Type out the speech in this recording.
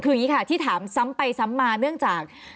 คืออย่างนี้ค่ะที่ถามซ้ำไปซ้ำมาเนื่องจาก